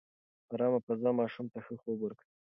ارامه فضا ماشوم ته ښه خوب ورکوي.